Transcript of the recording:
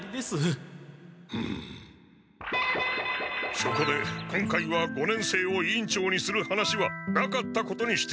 そこで今回は五年生を委員長にする話はなかったことにして。